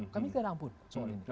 kami tidak ramput soal ini